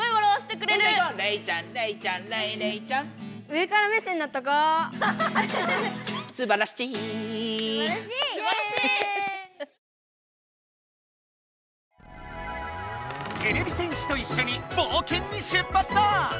てれび戦士といっしょに冒険に出発だ！